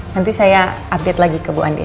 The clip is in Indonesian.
nanti saya update lagi ke bu andi